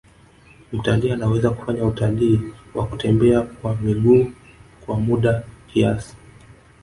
Mtalii anaweza kufanya utalii wa kutembea kwa miguu kwa muda kiasi